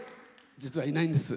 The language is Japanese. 実はいないんです。